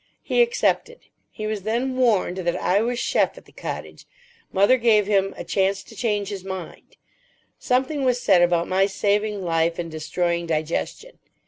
He accepted. He was then "warned" that I was chef at the cottage. Mother gave him "a chance to change his mind." Something was said about my saving life and destroying digestion.